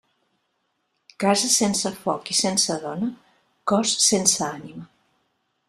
Casa sense foc i sense dona, cos sense ànima.